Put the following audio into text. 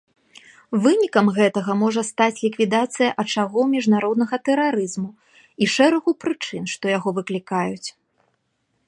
Вынікам гэтага можа стаць ліквідацыя ачагоў міжнароднага тэрарызму і шэрагу прычын, што яго выклікаюць.